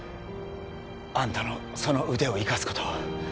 あんたのその腕を生かすこと